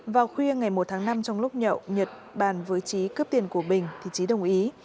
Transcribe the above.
vào khuya ngày một tháng năm trong lúc nhậu nhật bàn với trí cướp tiền của bình thì trí đồng ý